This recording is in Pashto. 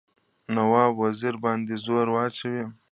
نواب وزیر باندي زور واچوي.